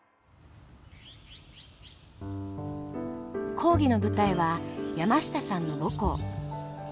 講義の舞台は山下さんの母校。